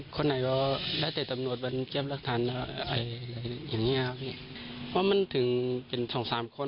เค้ามันถึงเป็น๒๓คน